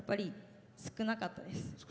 少なかったです。